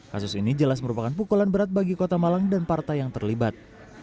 kasus ini jelas merupakan pukulan berat bagi kota malang dan partai yang terlibat